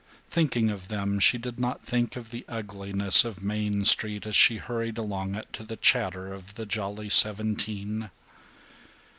Thinking of them she did not think of the ugliness of Main Street as she hurried along it to the chatter of the Jolly Seventeen.